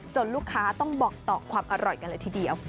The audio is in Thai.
ลูกค้าต้องบอกต่อความอร่อยกันเลยทีเดียว